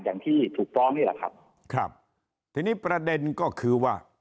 อย่างที่ถูกฟ้องนี่แหละครับครับทีนี้ประเด็นก็คือว่า